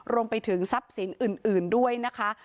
รวมไปถึงทรัพย์สินอื่นด้วยนะคะ